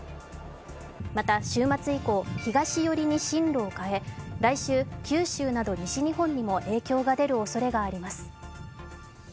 また、週末以降東寄りに進路を変え来週、九州など西日本にも影響が出るおそれがあります。